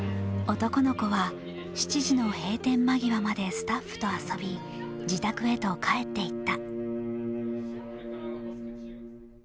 男の子は７時の閉店間際までスタッフと遊び自宅へと帰っていった。